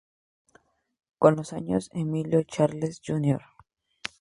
Con los años Emilio Charles, Jr.